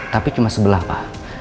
tapi cuma sebelah pak